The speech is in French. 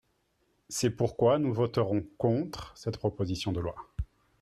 C’est pourquoi nous voterons contre cette proposition de loi.